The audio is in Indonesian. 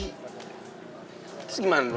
terus gimana dong itu